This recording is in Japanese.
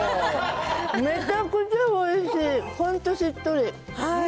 めちゃくちゃおいしい。